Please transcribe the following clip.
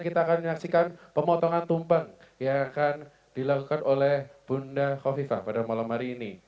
kita akan menyaksikan pemotongan tumpeng yang akan dilakukan oleh bunda kofifa pada malam hari ini